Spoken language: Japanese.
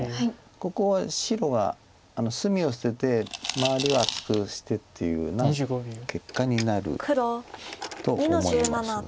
ここは白が隅を捨てて周りを厚くしてっていうふうな結果になると思いますが。